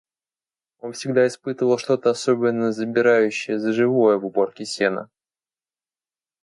Он всегда испытывал что-то особенно забирающее за живое в уборке сена.